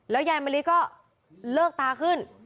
ยายมะลิก็เลิกตาขึ้น